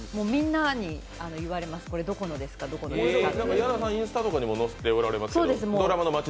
矢田さん、インスタとかにも載せておられますよね。